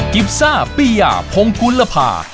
กิบซ่าปี่หย่าพงกุลภาพ